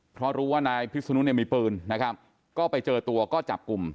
เพราะรู้ว่านายพิศนุเนี่ยมีปืนนะครับก็ไปเจอตัวก็จับกลุ่ม